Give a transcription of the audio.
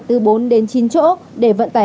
từ bốn đến chín chỗ để vận tải